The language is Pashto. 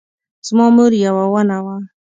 زما مور یوه ونه وه